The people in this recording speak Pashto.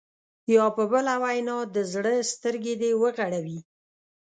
یا په بله وینا د زړه سترګې دې وغړوي.